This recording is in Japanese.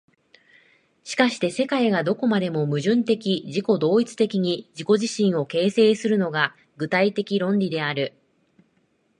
しかして世界がどこまでも矛盾的自己同一的に自己自身を形成するのが、具体的論理である。